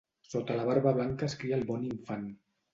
Sota la barba blanca es cria el bon infant.